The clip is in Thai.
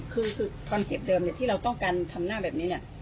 คือคอนเซ็ปต์เดิมที่เราต้องการทำหน้าแบบนี้เนี่ย